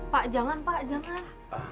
pak jangan pak jangan